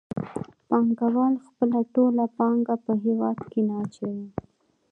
پانګوال خپله ټوله پانګه په هېواد کې نه اچوي